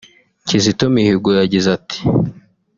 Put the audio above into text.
Kizito Mihigo yagize ati